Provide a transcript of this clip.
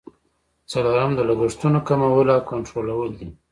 څلورم د لګښتونو کمول او کنټرولول دي.